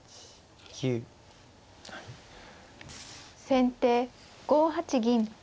先手５八銀。